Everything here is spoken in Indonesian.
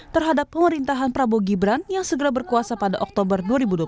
terhadap pemerintahan prabowo gibran yang segera berkuasa pada oktober dua ribu dua puluh